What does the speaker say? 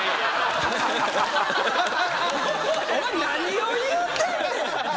お前何を言うてんねん！